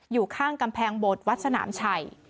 อยู่ข้างกำแพงโบสถวัดสนามชัย